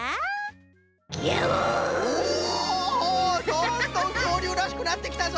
どんどんきょうりゅうらしくなってきたぞ。